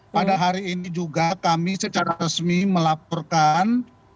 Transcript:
pada hari ini juga kami secara resmi melaporkan